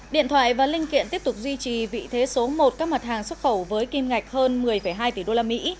điện thoại và linh kiện tiếp tục duy trì vị thế số một các mặt hàng xuất khẩu với kim ngạch hơn một mươi hai tỷ đô la mỹ